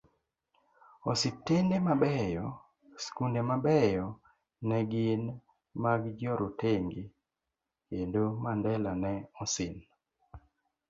Osiptende mabeyo, skunde mabeyo negin magjorotenge, kendo Mandela ne osin